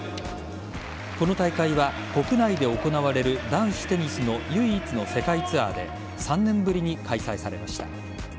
この大会は国内で行われる男子テニスの唯一の世界ツアーで３年ぶりに開催されました。